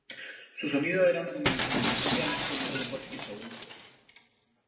Su sonido era una combinación de jazz liviano con algo de pop y soul.